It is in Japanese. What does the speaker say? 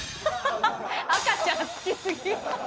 赤ちゃん、好き過ぎ。